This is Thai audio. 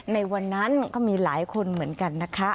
ในวันนั้นก็มีหลายคนเหมือนกันนะคะ